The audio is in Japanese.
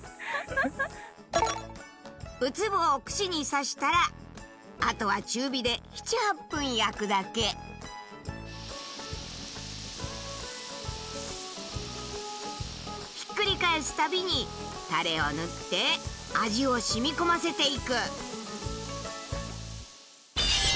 ウツボを串に刺したらあとはひっくり返す度にタレを塗って味を染み込ませていく。